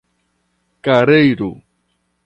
Careiro